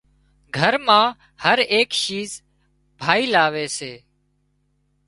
گھر مان هر شيز ڀائي لاوي سي